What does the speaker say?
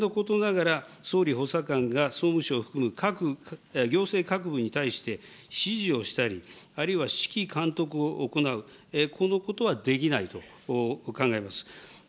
ただ、その場合でも当然のことながら、総理補佐官が総務省を含む行政各部に対して、指示をしたり、あるいは指揮監督を行う、このことはできないと考えます。